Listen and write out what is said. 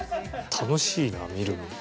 楽しいな見るの。